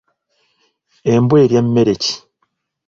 Embwa erya mmere ki?